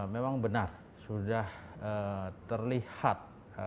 memang benar sudah terlihat